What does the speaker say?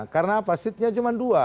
karena apa seednya cuma dua